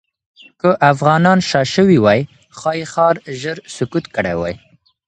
که افغانان شا شوې وای، ښایي ښار ژر سقوط کړی وای.